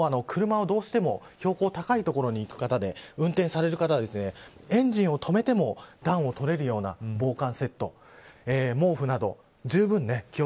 今日は車を、どうしても標高の高い所に行く方で運転される方はエンジンを止めても暖を取れるような防寒セット毛布などを。